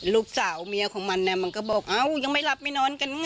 ลูกสาวเมียของมันมันก็บอกยังไม่รับมาไม่นอนกันไง